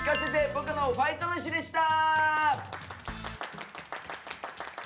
僕のファイト飯」でした！